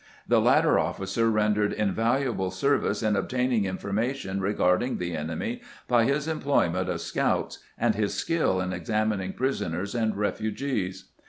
The latter officer rendered invaluable service in obtaining information regarding the enemy by his employment of scouts and his skill in examining prisoners and refugees.